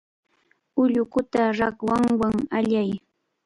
Ullukuta rakwawan allay.